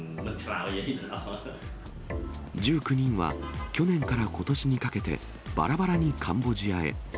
１９人は去年からことしにかけて、ばらばらにカンボジアへ。